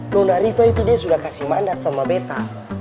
nona riva itu dia sudah kasih mandat sama beta